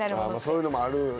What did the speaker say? そういうのもあるよね。